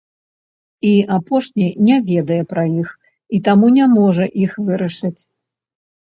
І апошні не ведае пра іх, а таму не можа іх вырашыць.